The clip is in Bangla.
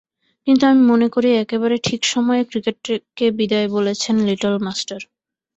কিন্তু আমি মনে করি একেবারে ঠিক সময়ে ক্রিকেটকে বিদায় বলেছেন লিটল মাস্টার।